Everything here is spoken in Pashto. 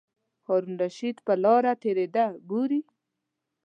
هارون الرشید په لاره تېرېده ګوري.